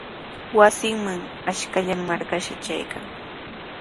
Wasinman ashkallan marqashqa trarqan.